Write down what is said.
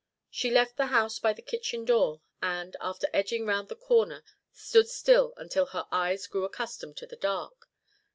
She left the house by the kitchen door, and, after edging round the corner stood still until her eyes grew accustomed to the dark.